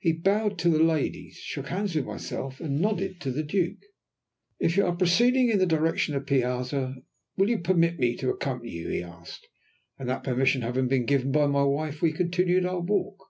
He bowed to the ladies, shook hands with myself, and nodded to the Duke. "If you are proceeding in the direction of the piazza, will you permit me to accompany you?" he asked, and that permission having been given by my wife, we continued our walk.